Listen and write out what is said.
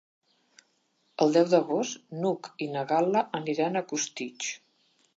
El deu d'agost n'Hug i na Gal·la aniran a Costitx.